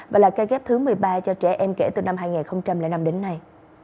và là cay ghép thứ một mươi ba cho trẻ em kể từ năm hai nghìn năm đến nay